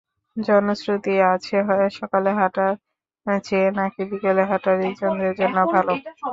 জনশ্রুতি আছে, সকালে হাঁটার চেয়ে নাকি বিকেলে হাঁটা হৃদ্যন্ত্রের জন্য ভালো।